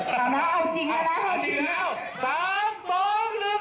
เอาแล้วเอาจริงแล้ว